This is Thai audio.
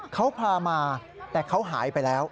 เขาพามาแต่เขาหายไปแล้ว